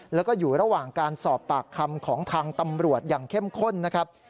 แล้วก็อยู่ระหว่างการสอบปากคำของทางตำรวจอย่างเข้มข้นนะครับ